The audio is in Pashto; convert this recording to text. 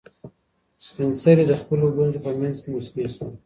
سپین سرې د خپلو ګونځو په منځ کې موسکۍ شوه.